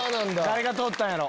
誰が通ったんやろ？